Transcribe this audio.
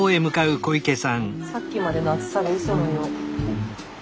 さっきまでの暑さがうそのよう。